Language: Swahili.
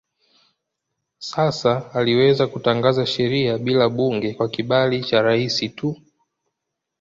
Sasa aliweza kutangaza sheria bila bunge kwa kibali cha rais tu.